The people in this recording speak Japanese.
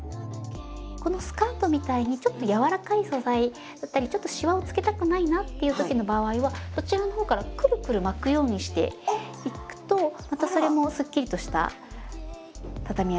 このスカートみたいにちょっと柔らかい素材だったりちょっとシワをつけたくないなっていうときの場合はそちらのほうからくるくる巻くようにしていくとまたそれもすっきりとしたたたみ上がりになります。